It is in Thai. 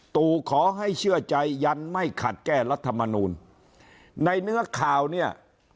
ตู่ขอให้เชื่อใจยันไม่ขัดแก้รัฐมนูลในเนื้อข่าวเนี่ย